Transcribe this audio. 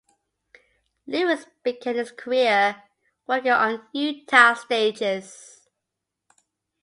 Lewis began his career working on Utah stages.